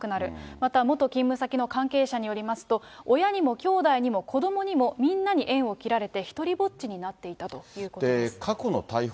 また元勤務先の関係者によりますと、親にもきょうだいにも子どもにもみんなに縁を切られて、ひとりぼっちになっていたということです。